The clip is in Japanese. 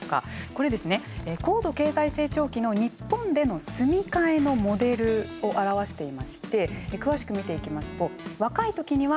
これですね高度経済成長期の日本での住み替えのモデルを表していまして詳しく見ていきますと若い時には賃貸アパート。